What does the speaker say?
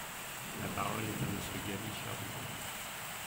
La parole est à Monsieur Gaby Charroux.